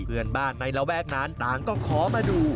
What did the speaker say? เพื่อนบ้านในระแวกนั้นต่างก็ขอมาดู